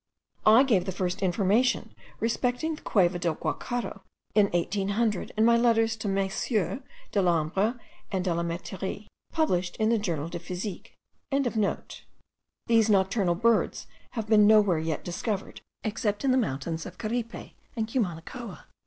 I gave the first information respecting the Cueva del Guacharo in 1800, in my letters to Messrs. Delambre and Delametherie, published in the Journal de Physique.) These nocturnal birds have been no where yet discovered, except in the mountains of Caripe and Cumanacoa.